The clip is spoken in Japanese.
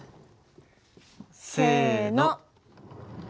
せの！